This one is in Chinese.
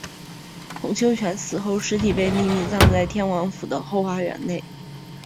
洪秀全死后尸体被秘密葬在天王府的后花园内。